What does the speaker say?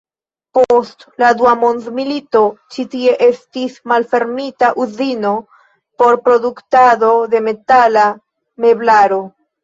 Post la dua mondmilito ĉi tie estis malfermita uzino por produktado de metala meblaro.